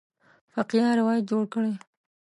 فقیه روایت جوړ کړی.